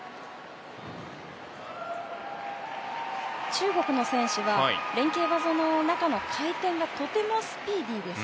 中国の選手は連係技の中の回転がとてもスピーディーです。